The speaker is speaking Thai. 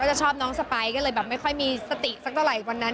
จะชอบน้องสไปก็เลยแบบไม่ค่อยมีสติสักเท่าไหร่วันนั้น